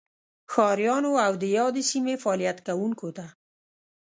ښاریانو او دیادې سیمې فعالیت کوونکو ته